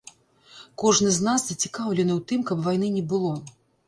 Кожны з нас зацікаўлены ў тым, каб вайны не было.